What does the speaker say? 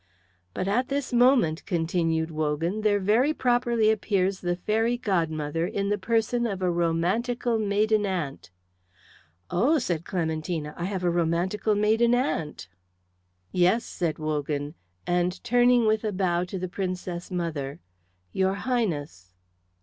"But at this moment," continued Wogan, "there very properly appears the fairy godmother in the person of a romantical maiden aunt." "Oh!" said Clementina, "I have a romantical maiden aunt." "Yes," said Wogan, and turning with a bow to the Princess mother; "your Highness."